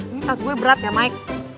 ini tas gue berat gak mike